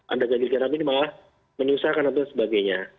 ada ganjil genap ini malah menyusahkan atau sebagainya